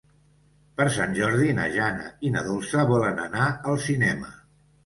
Per Sant Jordi na Jana i na Dolça volen anar al cinema.